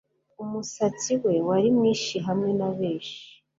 Umusatsi we wari mwinshi hamwe na benshi